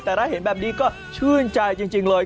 แต่ถ้าเห็นแบบนี้ก็ชื่นใจจริงเลย